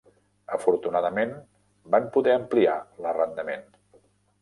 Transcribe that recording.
Afortunadament, van poder ampliar l"arrendament.